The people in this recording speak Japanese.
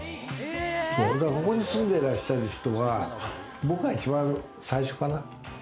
ここに住んでらっしゃる人は僕が一番最初かな。